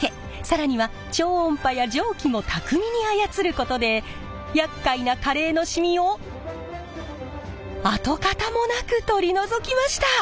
更には超音波や蒸気も巧みに操ることでやっかいなカレーのしみを跡形もなく取り除きました！